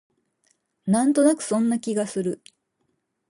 なんとなくそんな気がする